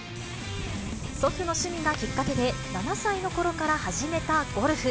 祖父の趣味がきっかけで７歳のころから始めたゴルフ。